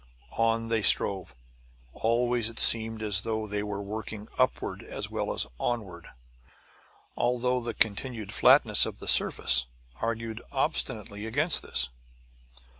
On they strove. Always it seemed as though they were working upward as well as onward, although the continued flatness of the surface argued obstinately against this.